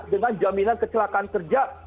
dengan jaminan kecelakaan kerja